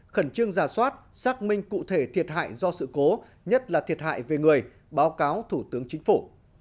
khẩn trương giả soát xác minh cụ thể thiệt hại do sự cố nhất là thiệt hại về người báo cáo thủ tướng chính phủ